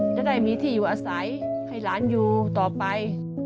จะได้มีที่อยู่อาศัยให้หลานอยู่ต่อไป